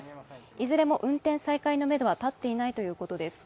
いずれも運転再開のめどは立っていないということです。